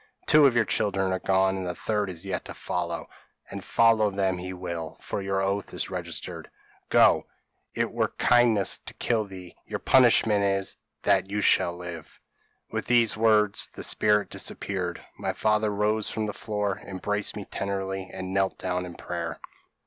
Two of your children are gone, the third is yet to follow and follow them he will, for your oath is registered. Go it were kindness to kill thee your punishment is, that you live!' "With these words the spirit disappeared. My father rose from the floor, embraced me tenderly, and knelt down in prayer.